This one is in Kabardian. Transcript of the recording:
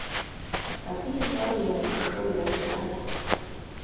Абы ищӀар емыкӀушхуэу ялъытат.